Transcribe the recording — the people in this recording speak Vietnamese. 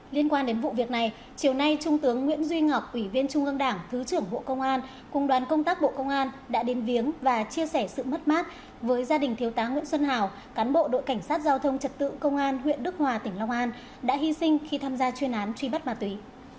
liên quan đến vụ việc này chiều nay trung tướng nguyễn duy ngọc ủy viên trung ương đảng thứ trưởng bộ công an cùng đoàn công tác bộ công an đã đến viếng và chia sẻ sự mất mát với gia đình thiếu tá nguyễn xuân hào cán bộ đội cảnh sát giao thông trật tự công an huyện đức hòa tỉnh long an đã hy sinh khi tham gia chuyên án truy bắt bà túy